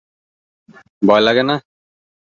ভয় লাগে না?